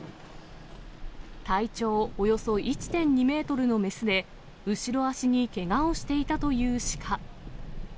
体長およそ１．２メートルの雌で、後ろ足にけがをしていたというシカ。